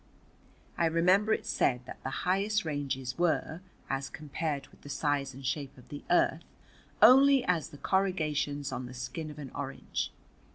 I remember it said that the highest ranges were, as compared with the size and shape of the earth, only as the corrugations on the skin of an orange.